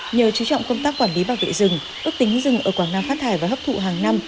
nhờ chú trọng công tác quản lý bảo vệ rừng ước tính rừng ở quảng nam phát thải và hấp thụ hàng năm